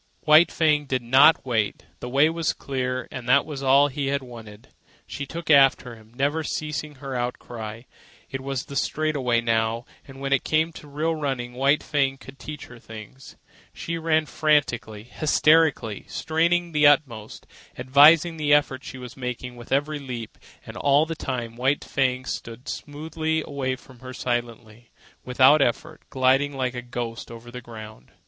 White Fang did not wait. The way was clear, and that was all he had wanted. She took after him, never ceasing her outcry. It was the straightaway now, and when it came to real running, White Fang could teach her things. She ran frantically, hysterically, straining to the utmost, advertising the effort she was making with every leap: and all the time White Fang slid smoothly away from her silently, without effort, gliding like a ghost over the ground.